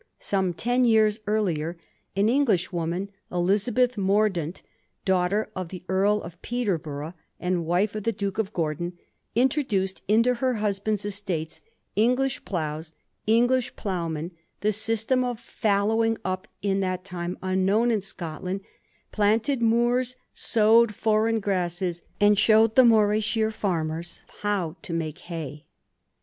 Some ten years earlier, an Englishwoman, Elizabeth Mordaunt, daughter of the Earl of Peter borough, and wife of the Duke of Gordon, introduced into her husband's estates English ploughs, English ploughmen, the system of fallowing up to that time unknown in Scotland, planted moors, sowed foreign grasses, and showed the Morayshire fiu mers how to make hay.